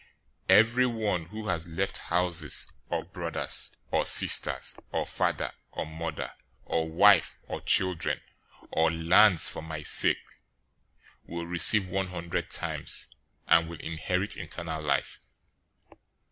019:029 Everyone who has left houses, or brothers, or sisters, or father, or mother, or wife, or children, or lands, for my name's sake, will receive one hundred times, and will inherit eternal life.